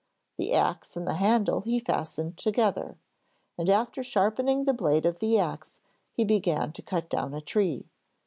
The axe and the handle he fastened together, and after sharpening the blade of the axe he began to cut down a tree.